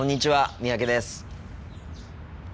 三宅です。